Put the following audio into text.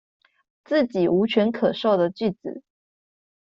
自己無權可授的句子